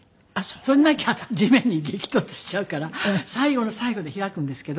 それなきゃ地面に激突しちゃうから最後の最後で開くんですけど。